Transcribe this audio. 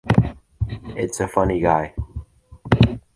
It’s a funny guy.